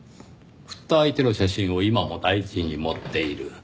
振った相手の写真を今も大事に持っている。